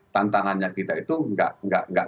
tantangannya kita itu nggak